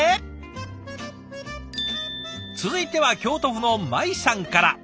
続いては京都府のマイさんから。